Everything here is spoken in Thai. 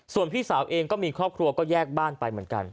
ส่วนพี่สาวเองก็มีครอบครัวก็แยกบ้านไปเหมือนกัน